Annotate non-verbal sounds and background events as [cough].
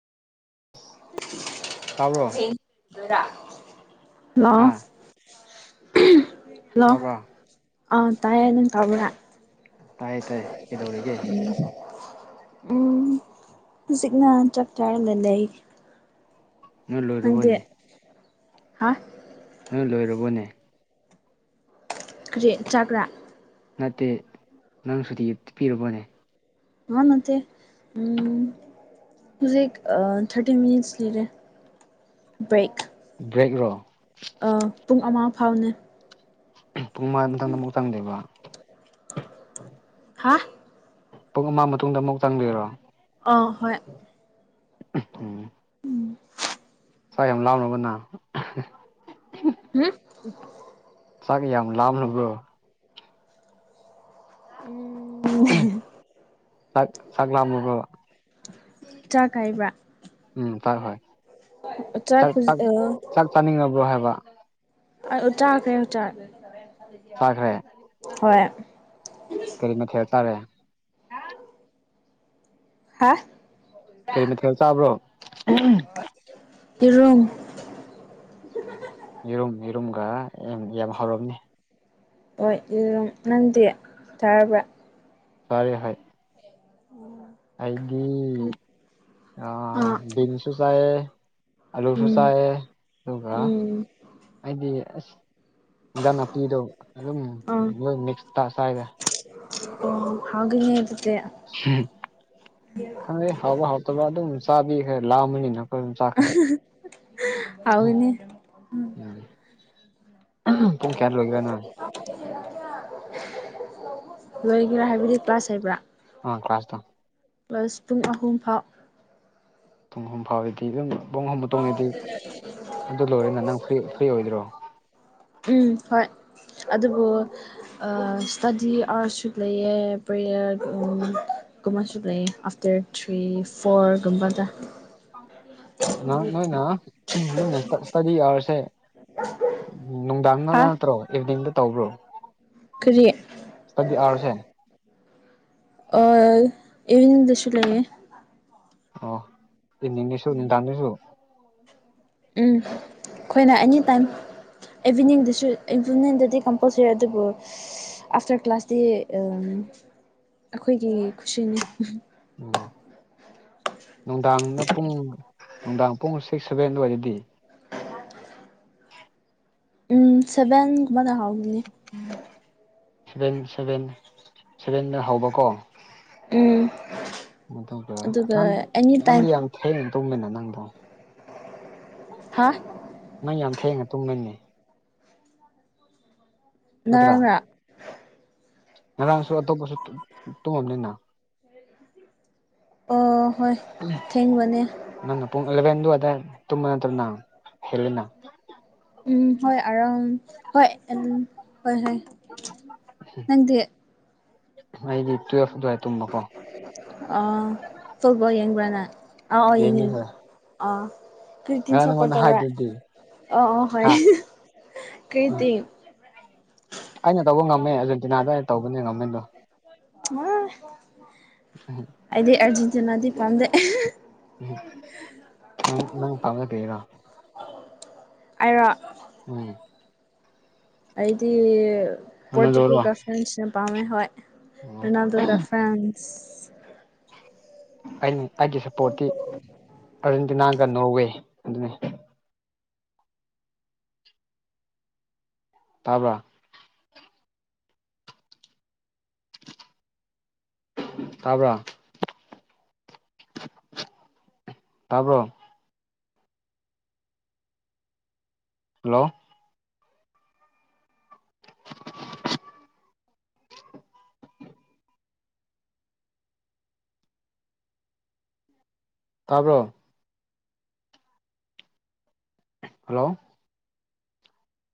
[unintelligible] ꯇꯥꯕ꯭ꯔꯣ ꯍꯜꯂꯣ꯫ ꯍꯥ [unintelligible] ꯍꯜꯂꯣ ꯇꯥꯕ꯭ꯔꯥ ꯑꯥ ꯇꯥꯏꯌꯦ ꯅꯪ ꯇꯥꯕ꯭ꯔꯥ꯫ ꯇꯥꯌꯦ ꯇꯥꯌꯦ ꯀꯩꯗꯧꯔꯤꯒꯦ꯫ ꯎꯝ ꯍꯧꯖꯤꯛꯅ ꯆꯥꯛ ꯆꯥꯔꯂ ꯂꯩ꯫ ꯅꯣꯏ ꯅꯪꯗꯤ ꯂꯣꯏꯔꯕꯣꯅꯦ ꯍꯥ꯫ ꯅꯣꯏ ꯂꯣꯏꯔꯕꯣꯅꯦ꯫ ꯀ꯭ꯔꯤ ꯆꯥꯛꯔꯥ꯫ ꯅꯠꯇꯦ ꯅꯪ ꯁꯨꯇꯤ ꯄꯤꯔꯕꯣꯅꯦ꯫ ꯑꯥ ꯅꯠꯇꯦ ꯎꯝ ꯍꯨꯖꯤꯛ ꯊꯔꯇꯤ ꯃꯤꯅꯤꯠꯁ ꯂꯤꯔꯦ ꯕ꯭ꯔꯦꯛ꯫ ꯕ꯭ꯔꯦꯛꯔꯣ꯫ ꯑꯥ ꯄꯨꯡ ꯑꯃ ꯐꯥꯎꯅꯦ꯫ ꯄꯨꯡ ꯃꯉꯥ ꯃꯇꯝꯗ ꯑꯃꯨꯛ ꯆꯪꯗꫭꯏꯕꯥ꯫ ꯍꯥ꯫ ꯄꯨꯡ ꯑꯃ ꯃꯇꯨꯡꯗ ꯑꯃꯨꯛ ꯆꯪꯗꯣꯏꯔꯣ꯫ ꯑꯧ ꯍꯣꯏ꯫ [unintelligible] ꯆꯥꯛ ꯌꯥꯝ ꯂꯥꯝꯔꯕꯣ ꯅꯪ꯫ [unintelligible] ꯍꯝ꯫ ꯆꯥꯛ ꯌꯥꯝ ꯂꯥꯝꯂꯕ꯭ꯔꯣ꯫ [unintelligible] ꯆꯥꯛ ꯆꯥꯛꯂꯥꯝꯂꯕꯣ꯫ ꯆꯥꯛ ꯍꯥꯏꯕ꯭ꯔꯥ꯫ ꯎꯝ ꯆꯥꯛ ꯍꯣꯏ ꯆꯥꯛ ꯆꯥꯛ ꯆꯥꯅꯤꯡꯑꯕ꯭ꯔꯣ ꯍꯥꯏꯕ꯫ ꯑꯌꯨꯛ ꯆꯥꯈ꯭ꯔꯦ ꯆꯥꯛ꯫ ꯆꯥꯈ꯭ꯔꯦ ꯍꯣꯏ ꯀꯔꯤ ꯃꯊꯦꯜ ꯆꯥꯔꯦ ꯍꯥ ꯀꯔꯤ ꯃꯊꯦꯜ ꯆꯥꯕ꯭ꯔꯣ ꯌꯦꯔꯨꯝ ꯌꯦꯔꯨꯝ ꯌꯦꯔꯨꯝꯒ ꯌꯥꯝ ꯌꯥꯝ ꯍꯥꯎꯔꯝꯅꯤ ꯍꯣꯏ ꯌꯦꯔꯨꯝ ꯅꯪꯗꯤ ꯆꯥꯔꯕ꯭ꯔꯥ ꯐꯥꯔꯦ ꯍꫭꯏ ꯑꯩꯗꯤ ꯑ ꯑꯥ ꯕꯤꯟꯁꯨ ꯆꯥꯌꯦ ꯑꯂꯨꯁꯨ ꯎꯝ ꯆꯥꯌꯦ ꯑꯗꯨꯒ ꯎꯝ ꯑꯩꯗꯤ ꯑꯁ ꯏꯟꯖꯥꯡ ꯅꯥꯄꯤꯗꯣ ꯑꯗꯨꯝ ꯂꯣꯏ ꯃꯤꯛꯁꯇ ꯆꯥꯏꯔꯦ ꯎꯝ ꯍꯧꯒꯅꯤ ꯑꯗꯨꯗꯤ ꯈꯪꯗꯦ ꯍꯥꯎꯕ ꯍꯥꯎꯇꯕ ꯑꯗꯨꯝ ꯆꯥꯕꯤꯈ꯭ꯔꯦ ꯂꯥꯝꯕꯅꯤꯅ ꯑꯈꯣꯏ ꯑꯗꯨꯝ ꯆꯥꯈ꯭ꯔꯦ ꯍꯥꯎꯒꯅꯤ ꯎꯝ ꯄꯨꯡ ꯀꯌꯥꯗ ꯂꯣꯢꯒꯦꯔꯥ ꯅꯪ [unintelligible] ꯂꯣꯏꯒꯦꯔꯥ ꯍꯥꯏꯕꯗꯤ ꯀ꯭ꯂꯥꯁ ꯍꯥꯏꯕ꯭ꯔꯥ ꯑ ꯀ꯭ꯂꯥꯁꯇꯣ ꯀ꯭ꯂꯥꯁ ꯄꯨꯡ ꯑꯍꯨꯝꯐꯥꯎ ꯄꯨꯡ ꯑꯍꯨꯝ ꯐꯥꯎꯔꯗꯤ ꯑꯗꯨꯝ ꯄꯨꯡ ꯑꯍꯨꯝ ꯃꯇꯨꯡꯗꯗꯤ ꯑꯗꯨ ꯂꯣꯏꯔꯒ ꯅꯪ ꯐ꯭ꯔꯤ ꯐ꯭ꯔꯤ ꯑꯣꯏꯗ꯭ꯔꯣ ꯎꯝ ꯍꯣꯏ ꯑꯗꯨꯕꯨ ꯑꯥ ꯏꯁ꯭ꯇꯗꯤ ꯑꯥꯋꯔꯁꯨ ꯂꯩꯌꯦ ꯄ꯭ꯔꯦꯌꯔ ꯎꯝ ꯨꯀꯨꯝꯕꯁꯨ ꯂꯩꯌꯦ ꯑꯥꯐꯇꯔ ꯊ꯭ꯔꯤ ꯐꯣꯔ ꯒꯨꯝꯕꯗ ꯅꯣ ꯅꯣꯏꯅ ꯅꯣꯏꯅ ꯏꯁ ꯏꯁ꯭ꯇꯗꯤ ꯑꯥꯋꯔꯁꯦ ꯎꯝ ꯅꯨꯡꯗꯥꯡꯗ ꯍꯥ ꯅꯠꯇ꯭ꯔꯣ ꯏꯚꯤꯅꯤꯡꯗ ꯇꯧꯕ꯭ꯔꯣ ꯀꯔꯤ ꯏꯁ꯭ꯇꯗꯤ ꯑꯥꯋꯔꯁꯦ ꯑꯣꯢ ꯏꯚꯤꯅꯤꯡꯗꯁꯨ ꯂꯩꯌꯦ [inaudible] ꯑꯣ ꯏꯚꯤꯅꯤꯡꯗꯁꯨ ꯅꯨꯡꯗꯥꯡꯗꯁꯨ ꯎꯝ ꯈꯣꯏꯅ ꯑꯦꯅꯤ ꯇꯥꯏꯝ ꯏꯚꯤꯅꯤꯡꯗꯁꯨ ꯏꯚꯤꯅꯤꯡꯗꯗꯤ ꯀꯝꯄꯜꯁꯔꯤ ꯑꯗꯨꯕꯨ ꯑꯥꯐꯇꯔ ꯀ꯭ꯂꯥꯁꯇꯤ ꯎꯝ ꯑꯈꯣꯏꯒꯤ ꯀꯨꯁꯤꯅꯤ ꯎꯝ ꯅꯨꯡꯗꯥꯡꯗ ꯄꯨꯡ ꯅꯨꯡꯗꯥꯡ ꯄꯨꯡ ꯁꯤꯛꯁ ꯁꯚꯦꯟ ꯑꯣꯏꯔꯗꯤ [inaudible] ꯎꯝ ꯁꯚꯦꯟꯒꯨꯝꯕꯗ ꯍꯧꯒꯤꯝꯅꯤ ꯁꯚꯦꯟ ꯁꯚꯦꯟ ꯁꯚꯦꯟꯗ ꯍꯧꯕꯀꯣ ꯎꯝ ꯑꯗꯨꯒ ꯅꯪꯗꯤ ꯑꯗꯨꯒ ꯅꯪꯗꯤ ꯑꯦꯅꯤꯇꯥꯏꯝ ꯌꯥꯝ ꯊꯦꯡꯅ ꯇꯨꯝꯃꯤꯅ ꯅꯪꯗꫭ ꯍꯥ ꯅꯪ ꯌꯥꯝ ꯊꯦꯡꯅ ꯇꯨꯝꯃꯤꯅꯤ ꯅꯠꯇ꯭ꯔꯥ ꯅꯪꯔ ꯉꯔꯥꯡꯁꯨ ꯑꯇꯣꯞꯄꯁꯨ ꯇꯨ ꯇꯨꯝꯃꯝꯅꯤꯅ [inaudible] ꯑꯣ ꯍꯣꯏ ꯊꯦꯡꯕꯅꯦ ꯅꯪꯅ ꯄꯨꯡ ꯑꯦꯂꯕꯦꯟ ꯑꯗꯨꯋꯥꯢ ꯗꯥꯏ ꯇꯨꯝꯕ ꯅꯠꯇ꯭ꯔ ꯅꯪ ꯍꯦꯂꯤꯅ ꯎꯝ ꯍꯣꯏ ꯑꯔꯥꯎꯟ ꯍꯣꯏꯠ ꯑꯗꯨꯝ ꯍꯣꯏ ꯍꯣꯏ ꯅꯪꯗꯤ ꯑꯩꯗꯤ ꯇꯨꯌꯦꯜꯐ ꯑꯗꯨꯋꯥꯏ ꯇꯨꯝꯕꯀꯣ ꯑꯥ ꯐꯨꯠꯕꯣꯜ ꯌꯦꯡꯕ꯭ꯔꯥ ꯅꯪ ꯑꯧ ꯑꯧ ꯌꯦꯡꯉꯤ ꯌꯦꯡꯅꯤ ꯌꯦꯡꯉꯤ ꯍꯣꯏ ꯑꯣ ꯀ꯭ꯔꯤꯇꯤꯝ ꯉꯔꯥꯡ ꯁ꯭ꯄꯣꯔꯠ ꯅꯪꯉꯣꯟꯗ ꯇꯧꯔꯦ ꯍꯥꯏꯗꯨꯗꯤ ꯑꯣ ꯑꯣ ꯍꯣꯏ ꯍꯥ ꯀ꯭ꯔꯤ ꯎꯝ ꯇꯤꯝ ꯑꯩꯅ ꯇꯧꯕ ꯉꯝꯃꯦ ꯑꯔꯖꯦꯟꯇꯤꯅꯥꯗꯣ ꯑꯩꯅ ꯇꯧꯕꯅꯦ ꯉꯝꯃꯦꯗꯣ [unintelligible] ꯑꯍꯝ ꯑꯩꯗꯤ ꯑꯥꯔꯖꯦꯟꯇꯤꯅꯥꯗꯤ ꯄꯥꯝꯗꯦ ꯎꯝ ꯅꯪ ꯅꯪ ꯄꯥꯝꯕꯗꯣ ꯀꯔꯤꯔꯣ ꯑꯩꯔꯣ ꯎꯝ ꯑꯩꯗꯤ ꯔꯣꯅꯥꯜꯗꯣꯔꯣ ꯄꯣꯔꯇꯨꯒꯜꯀꯥ ꯐ꯭ꯔꯦꯟꯁꯀꯥ ꯄꯥꯝꯃꯦ ꯍꯣꯏ ꯎꯝ ꯔꯣꯅꯥꯜꯗꯣꯒ ꯐꯦꯟ ꯑꯩꯩꯅ ꯑꯩꯒꯤ ꯁꯞꯄꯣꯔꯠꯇꯤ ꯑꯔꯖꯦꯟꯇꯤꯅꯥꯒ ꯅꯣꯔꯋꯦ ꯑꯗꯨꯅꯤ ꯇꯥꯕ꯭ꯔꯥ ꯇꯥꯕ꯭ꯔꯥ ꯇꯥꯕ꯭ꯔꯣ ꯍꯜꯂꯣ ꯇꯥꯕ꯭ꯔꯣ ꯍꯜꯂꯣ